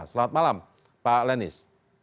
selamat malam pak lenis